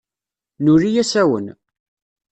Nuli asawen.